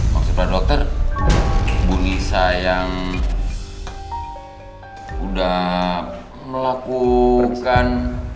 maksud pak dokter bu nisa yang udah melakukan